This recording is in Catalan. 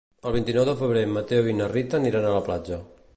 El vint-i-nou de febrer en Mateu i na Rita aniran a la platja.